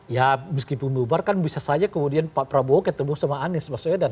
ya meskipun bubar kan bisa saja kemudian pak prabowo ketemu sama anies baswedan